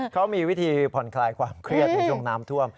เขามีวิธีผ่อนคลายความเครียดในช่วงน้ำท่วม